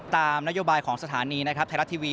ตามนโยบายของสถานีนะครับไทยรัฐทีวี